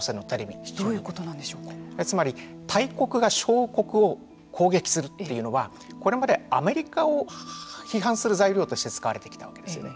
どういうことつまり、大国が小国を攻撃するというのはこれまでアメリカを批判する材料として使われてきたわけですね。